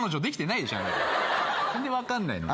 何で分かんないの？